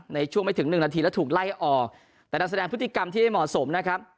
ในช่วงไม่ถึงหนึ่งนาทีแล้วถูกไล่ออกแต่นักแสดงพฤติกรรมที่ไม่เหมาะสมนะครับ